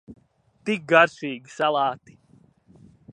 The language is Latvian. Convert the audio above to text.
Tik garšīgi salāti!